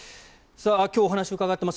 今日、お話を伺っています